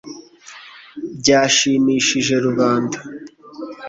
byashimishije rubanda